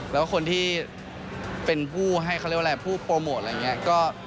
แล้วคนที่เป็นผู้ให้เขาเรียกว่าอะไรผู้โปรโมทอะไรอย่างนี้